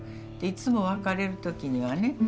いつも別れる時にはね